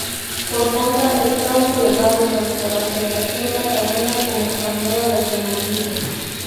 Por contra está homologado tanto por la Federación Catalana como Española de Automovilismo.